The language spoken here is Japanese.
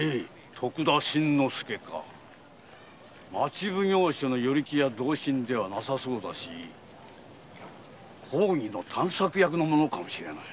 徳田新之助か町奉行所の与力や同心ではなさそうだし公儀の探索役の者かもしれない。